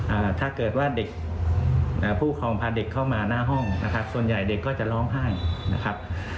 ถ้าเกิดว่าเด็กอ่าผู้ครองพาเด็กเข้ามาหน้าห้องนะครับส่วนใหญ่เด็กก็จะร้องไห้นะครับ